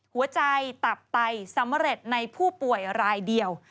หัวใจตับไตสำเร็จในผู้ป่วยรายเดียว